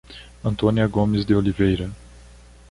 Antônia Gomes de Oliveira